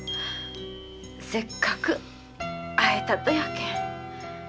せっかく会えたとやけん。